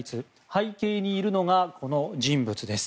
背景にいるのが、この人物です。